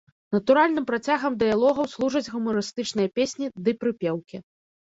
Натуральным працягам дыялогаў служаць гумарыстычныя песні ды прыпеўкі.